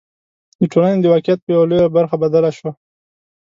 د ټولنې د واقعیت په یوه لویه برخه بدله شوه.